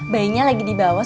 bayinya lagi di bawah